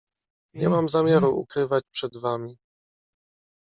"Nie mam zamiaru ukrywać przed wami."